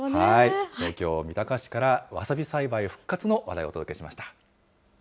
東京・三鷹市から、わさび栽培復活の話題をお届けしました。